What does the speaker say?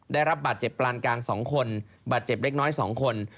ได้รับบัตรเจ็บปลานกลางสองคนบัตรเจ็บเล็กน้อยสองคน